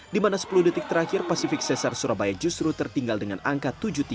dimana sepuluh detik terakhir pasifik cesar surabaya justru tertinggal dengan angka tujuh puluh tiga tujuh puluh lima